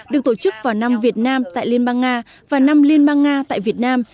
được tổ chức vào năm việt nam tại liên bang nga và năm liên bang nga tại việt nam